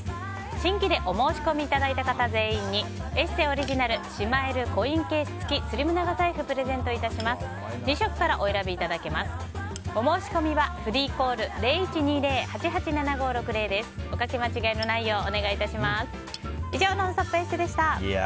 新規でお申し込みいただいた方全員に「ＥＳＳＥ」オリジナルしまえるコインケース付きスリム長財布をプレゼントいたします。